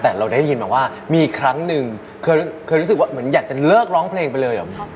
แต่เราได้ยินมาว่ามีครั้งหนึ่งเคยรู้สึกว่าเหมือนอยากจะเลิกร้องเพลงไปเลยเหรอ